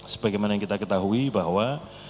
sebagaimana yang kita ketahui bahwa